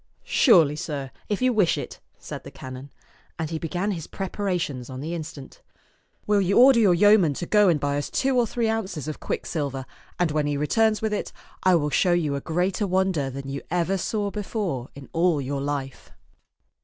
"Surely, sir, if you wish it," said the canon ; and he began his preparations on the instant. " Will you order €^t Canon'0 ^^oman'0 €ak 207 your yeoman to go and buy us two or three ounces of quicksilver ; and when he returns with it, I will show you a greater wonder than you ever saw before in all your life."